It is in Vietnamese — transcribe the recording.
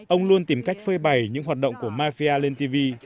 ông luôn tìm cách phơi bày những hoạt động của mafia lên tv